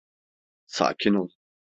Sakin oI.